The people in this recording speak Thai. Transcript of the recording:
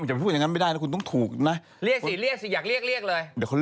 จังทั้งเลยบางทีมีคนต้องพูดอย่างนั้นไม่ได้นะ